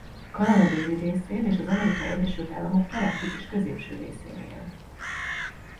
Kanada déli részén és az Amerikai Egyesült Államok keleti és középső részén él.